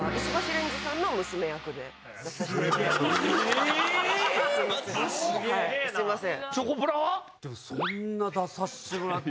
え⁉すいません。